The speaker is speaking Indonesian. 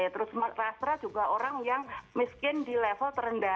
terus rastra juga orang yang miskin di level terendah